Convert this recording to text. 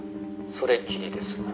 それきりです」